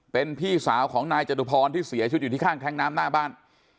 เป็นพี่สาวของนายจตุพรที่เสียชีวิตอยู่ที่ข้างแท้งน้ำหน้าบ้าน